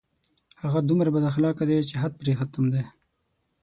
هغه دومره بد اخلاقه دی چې حد پرې ختم دی